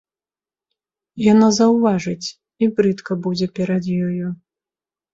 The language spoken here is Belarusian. Яна заўважыць, і брыдка будзе перад ёю.